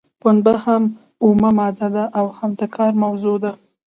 پنبه هم اومه ماده ده او هم د کار موضوع ده.